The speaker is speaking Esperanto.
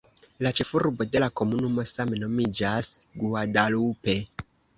La ĉefurbo de la komunumo same nomiĝas "Guadalupe".